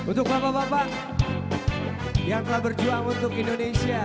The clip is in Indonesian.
untuk bapak bapak yang telah berjuang untuk indonesia